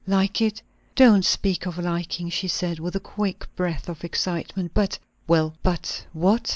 "Like it? Don't speak of liking," she said, with a quick breath of excitement. "But " "Well? But what?"